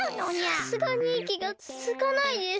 さすがにいきがつづかないです。